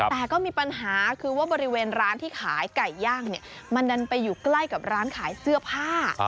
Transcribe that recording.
แต่ก็มีปัญหาคือว่าบริเวณร้านที่ขายไก่ย่างเนี่ยมันดันไปอยู่ใกล้กับร้านขายเสื้อผ้า